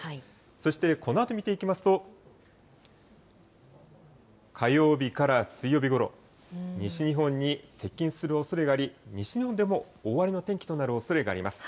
そしてこのあと見ていきますと、火曜日から水曜日ごろ、西日本に接近するおそれがあり、西日本でも大荒れの天気となるおそれがあります。